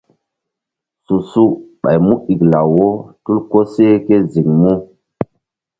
Su-su ɓay mu iklaw wo tul koseh ké ziŋ mu.